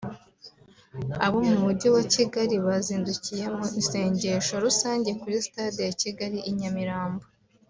abo mu Mujyi wa Kigali bazindukiye mu isengesho rusange kuri Stade ya Kigali i Nyamirambo